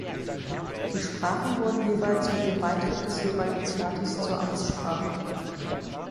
Die Sprachen wurden jeweils mit dem Beitritt des jeweiligen Staates zur Amtssprache.